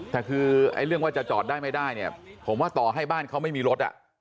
แต่คือเรื่องว่าจะจอดได้ไม่ได้เนี่ยผมว่าต่อให้บ้านเขาไม่มีรถ